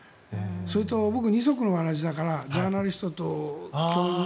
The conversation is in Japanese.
それと、僕は二足のわらじだからジャーナリストと教授。